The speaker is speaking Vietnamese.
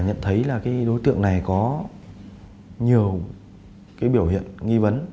nhận thấy là cái đối tượng này có nhiều cái biểu hiện nghi vấn